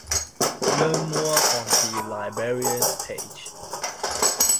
Learn more on the Librarians page.